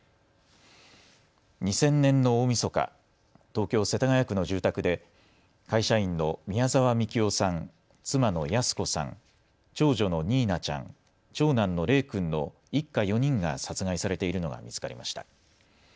２０００年の大みそか、東京世田谷区の住宅で会社員の宮沢みきおさん、妻の泰子さん、長女のにいなちゃん、長男の礼君の一家４人が殺害されているのが見つかりました。